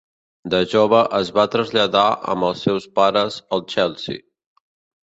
De jove es va traslladar amb els seus pares al Chelsea.